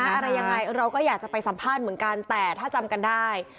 อะไรยังไงเราก็อยากจะไปสัมภาษณ์เหมือนกันแต่ถ้าจำกันได้